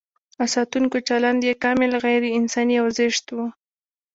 د ساتونکو چلند یې کاملاً غیر انساني او زشت و.